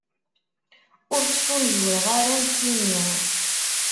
Ur ttfunzureɣ ara, nekkini.